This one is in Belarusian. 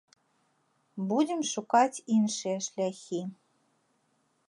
Будзем шукаць іншыя шляхі.